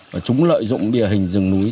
và chúng lợi dụng địa hình rừng núi